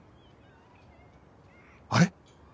あれ？